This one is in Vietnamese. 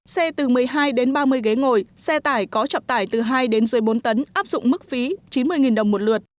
xe từ một mươi hai đến ba mươi ghế ngồi xe tải có trọng tải từ hai đến dưới bốn tấn áp dụng mức phí chín mươi đồng một lượt